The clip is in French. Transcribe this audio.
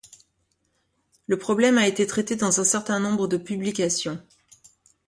Le problème a été traité dans un certain nombre de publications.